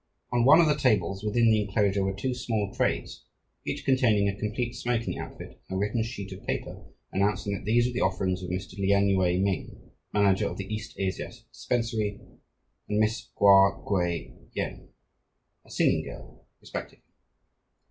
On one of the tables within the enclosure were two small trays, each containing a complete smoking outfit and a written sheet of paper announcing that these were the offerings of Mr. Lien Yue Ming, manager of the East Asiatic Dispensary, and Miss Kua Kuei Yen, a singing girl, respectively.